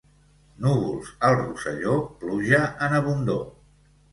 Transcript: Núvols al Rosselló, pluja en abundor.